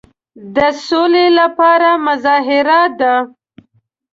د سولي لپاره مظاهره ده.